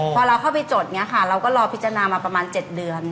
พอเราเข้าไปจดเนี่ยค่ะเราก็รอพิจารณามาประมาณ๗เดือน